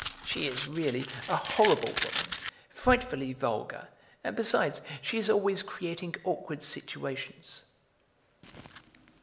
She is, really, a horrible woman, frightfully vulgar, and besides, she is always creating awkward situations."